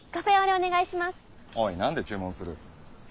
おいなんで注文する。